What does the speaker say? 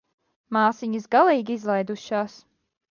Māsiņas galīgi izlaidušās.